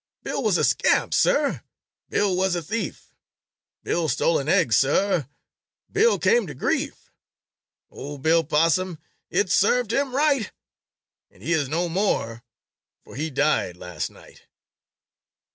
Bill was a scamp, Sir; Bill was a thief! Bill stole an egg, Sir; Bill came to grief. Ol' Bill Possum, it served him right; And he is no more, for he died last night."